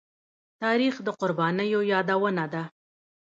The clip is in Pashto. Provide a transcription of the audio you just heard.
تاریخ د قربانيو يادونه ده.